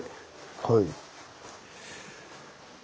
はい。